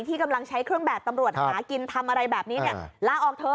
กำลังใช้เครื่องแบบตำรวจหากินทำอะไรแบบนี้เนี่ยลาออกเถอะ